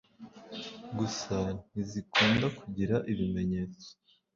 Gusa ntizikunda kugira ibimenyetso